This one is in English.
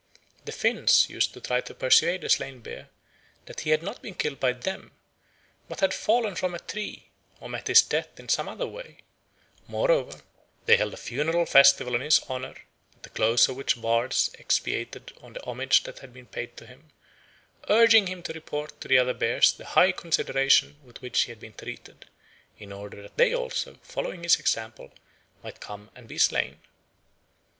The Finns used to try to persuade a slain bear that he had not been killed by them, but had fallen from a tree, or met his death in some other way; moreover, they held a funeral festival in his honour, at the close of which bards expatiated on the homage that had been paid to him, urging him to report to the other bears the high consideration with which he had been treated, in order that they also, following his example, might come and be slain.